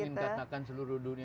aku ingin katakan seluruh dunia